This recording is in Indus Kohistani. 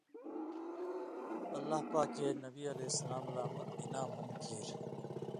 اللہ پاکے نبی علیہ السلام لا مُت اِنعامہ ہُم کیریۡ؛